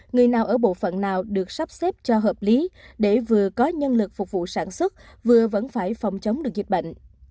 người nào ở bộ phận nào được sắp xếp cho hợp lý để vừa có nhân lực phục vụ sản xuất vừa vẫn phải phòng chống được dịch bệnh